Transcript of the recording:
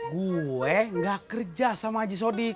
gue nggak kerja sama aji sodiq